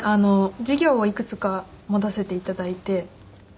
授業をいくつか持たせて頂いて。